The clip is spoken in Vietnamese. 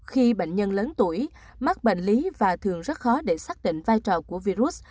khi bệnh nhân lớn tuổi mắc bệnh lý và thường rất khó để xác định vai trò của virus